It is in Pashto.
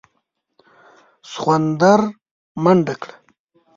سخوندر منډه کړه.